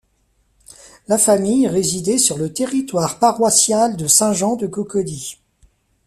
La famille résidait sur le territoire paroissial de Saint Jean de Cocody.